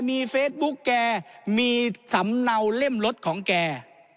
มีเฟซบุ๊กแกมีสำเนาเล่มรถของแก